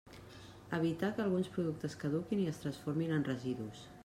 Evitar que alguns productes caduquin i es transformin en residus.